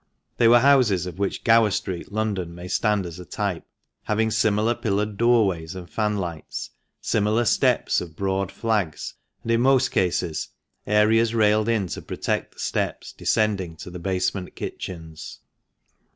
They were houses of which Gower Street, London, may stand as a type, having similar pillared doorways and fanlights, similar steps of broad flags, and, in most cases, areas railed in to protect the steps descending to the basement kitchens.